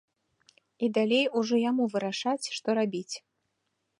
І далей ужо яму вырашаць, што рабіць.